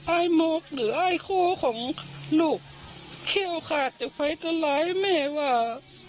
ไอ้มกหรือไอ้โค้ของลูกเคี่ยวขาดจะไฟตัวร้ายไหมว่า